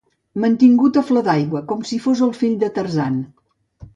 Mantingut a flor d'aigua, com si fos el fill del Tarzan.